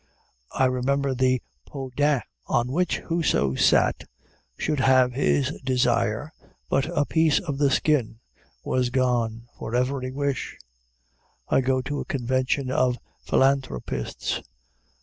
I remember the peau d'âne, on which whoso sat should have his desire, but a piece of the skin was gone for every wish. I go to a convention of philanthropists.